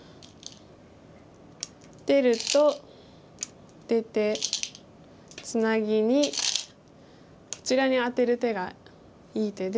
出ると出てツナギにこちらにアテる手がいい手で。